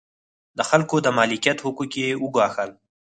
د خلکو د مالکیت حقوق یې وګواښل.